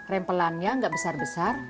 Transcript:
rempelannya gak besar besar